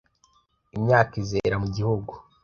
imyaka izera mu gihugu,